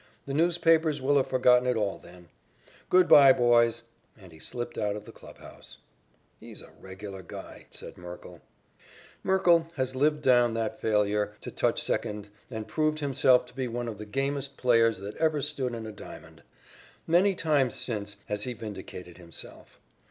The newspapers will have forgotten it all then. Good by, boys." And he slipped out of the clubhouse. "He's a regular guy," said Merkle. Merkle has lived down that failure to touch second and proved himself to be one of the gamest players that ever stood in a diamond. Many times since has he vindicated himself.